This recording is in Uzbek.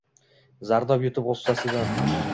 Zardob yutib g’ussasidan